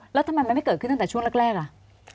แล้วทำไมมันไม่เกิดขึ้นตั้งแต่ช่วงแรกอ่ะ